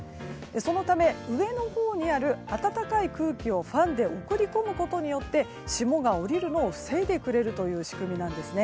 そのため、上のほうにある暖かい空気をファンで送り込むことによって霜が降りるのを防いでくれるという仕組みなんです。